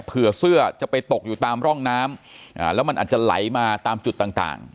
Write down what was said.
เผื่อเสื้อจะไปตกอยู่ตามร่องน้ำแล้วมันอาจจะไหลมาตามจุดต่าง